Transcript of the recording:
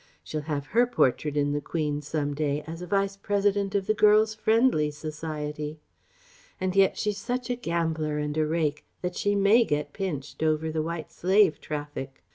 She'll have her portrait in the Queen some day as a Vice President of the Girls' Friendly Society!... And yet she's such a gambler and a rake that she may get pinched over the White Slave traffic....